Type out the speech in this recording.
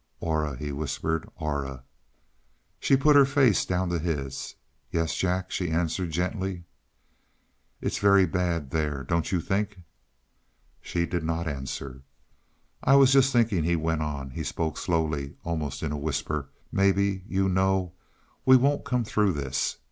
"Aura," he whispered. "Aura." She put her face down to his. "Yes, Jack," she answered gently. "It's very bad there don't you think?" She did not answer. "I was just thinking," he went on; he spoke slowly, almost in a whisper. "Maybe you know we won't come through this."